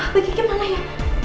bagi kemana ya